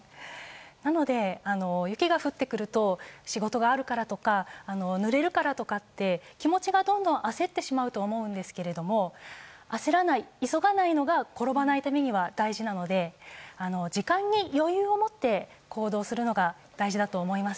なので、雪が降ってくると仕事があるからとか濡れるからとかで気持ちがどんどん焦ってしまうと思うんですが焦らない、急がないのが転ばないためには大事なので時間に余裕を持って行動するのが大事だと思います。